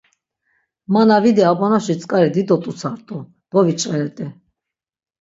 Ma na vidi abanoşi tzk̆ari dido t̆utsa rt̆u, doviç̆veret̆i.